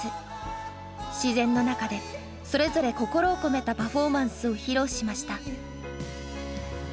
自然の中でそれぞれ心を込めたパフォーマンスを披露しました。